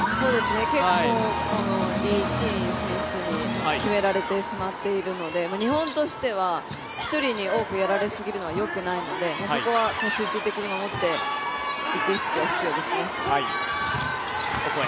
結構、リ・チイン選手に決められてしまっているので日本としては１人に多くやられすぎるのはよくないのでそこは集中的に守っていく意識が必要ですね。